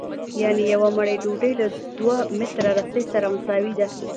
یانې یوه مړۍ ډوډۍ له دوه متره رسۍ سره مساوي ده